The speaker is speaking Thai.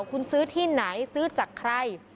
คุณซื้อที่ไหนซื้อจากใคร